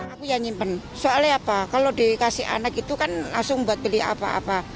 aku ya nyimpen soalnya apa kalau dikasih anak itu kan langsung buat beli apa apa